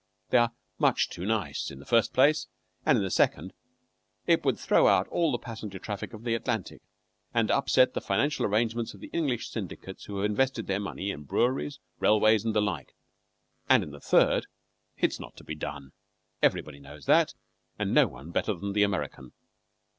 They are much too nice, in the first place, and in the second, it would throw out all the passenger traffic of the Atlantic, and upset the financial arrangements of the English syndicates who have invested their money in breweries, railways, and the like, and in the third, it's not to be done. Everybody knows that, and no one better than the American.